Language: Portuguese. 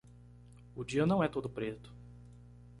O dia não é todo preto